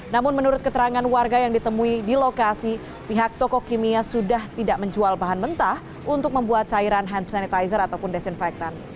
namun menurut keterangan warga yang ditemui di lokasi pihak toko kimia sudah tidak menjual bahan mentah untuk membuat cairan hand sanitizer ataupun desinfektan